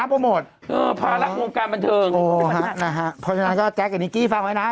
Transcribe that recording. โภยสนาที่ชอบแจ๊กกับนิกกี้ฟังไว้นะฮะ